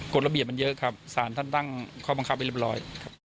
กฎระเบียบมันเยอะครับศาลท่านตั้งข้อมังคับไปเรียบร้อย